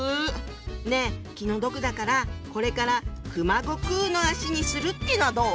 ねえ気の毒だからこれから「熊悟空の脚」にするってのはどう？